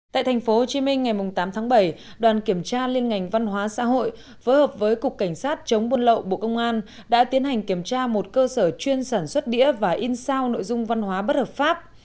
tại thành phố hồ chí minh ngày tám tháng bảy đoàn kiểm tra liên ngành văn hóa xã hội với hợp với cục cảnh sát chống buôn lậu bộ công an đã tiến hành kiểm tra một cơ sở chuyên sản xuất đĩa và in sao nội dung văn hóa bất hợp pháp